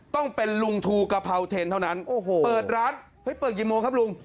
ต้องเป็นลุงทูกะเพราเทนเท่านั้นโอ้โหเปิดร้านเฮ้ยเปิดกี่โมงครับลุง